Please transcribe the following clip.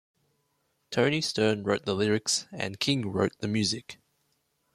Toni Stern wrote the lyrics and King wrote the music.